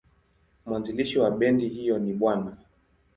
Mwanzilishi wa bendi hiyo ni Bw.